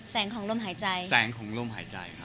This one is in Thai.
แสงของร่มหายใจ